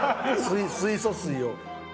水素水を。